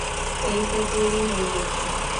এইতো তৈরি হয়ে গেছি।